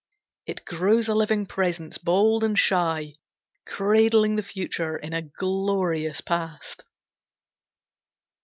It grows a living presence, bold and shy, Cradling the future in a glorious past.